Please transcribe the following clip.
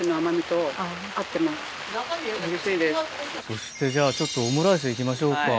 そしてじゃあちょっとオムライス行きましょうか。